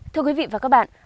thưa quý vị và các bạn